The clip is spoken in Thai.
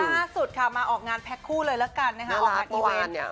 ล่าสุดค่ะมาออกงานแพลกคู่เลยละกันนะคะอันนี้เว้น